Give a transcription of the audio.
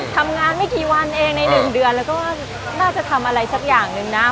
ทำงานไม่กี่วันเองในหนึ่งเดือนแล้วก็น่าจะทำอะไรสักอย่างหนึ่งนะ